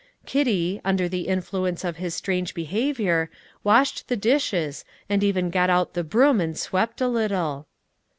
Kitty, under the influence of his strange behaviour, washed the dishes, and even got out the broom and swept a little.